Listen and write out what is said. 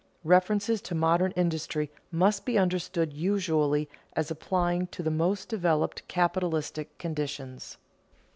References to modern industry must be understood usually as applying to the most developed capitalistic conditions.